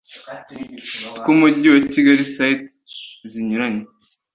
tw umujyi wa kigali site zinyuranye